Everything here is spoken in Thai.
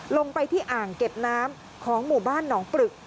ลงไปที่อ่างเก็บน้ำของหมู่บ้านหนองปรึก